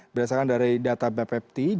berdasarkan dari data bapt